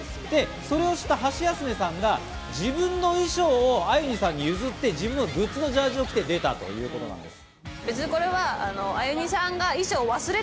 それを知ったハシヤスメさんが自分の衣装をアユニさんに譲って、自分のグッズのジャージーを着て出たということです。